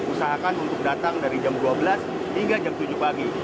usahakan untuk datang dari jam dua belas hingga jam tujuh pagi